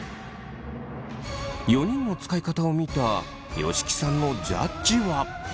４人の使い方を見た吉木さんのジャッジは？